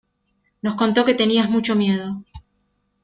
Nos contó que tenías mucho miedo.